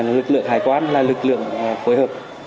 lực lượng hải quan là lực lượng phối hợp